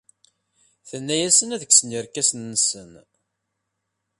Tenna-asen ad kksen irkasen-nsen.